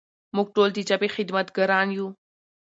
موږ ټول د ژبې خدمتګاران یو.